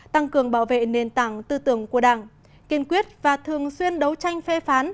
tăng cường bảo vệ nền tảng tư tưởng của đảng kiên quyết và thường xuyên đấu tranh phê phán